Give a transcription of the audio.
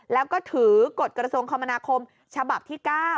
แล้วก็ถือกฎกระทรวงคมนาคมฉบับที่๙